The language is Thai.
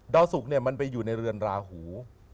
สุกมันไปอยู่ในเรือนราหู